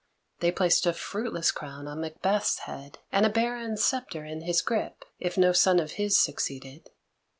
They placed a fruitless crown on Macbeth's head, and a barren sceptre in his grip, if no son of his succeeded.